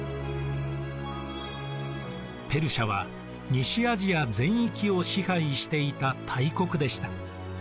ペルシアは西アジア全域を支配していた大国でした。